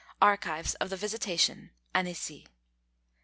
(Archives of the Visitation, Annecy.)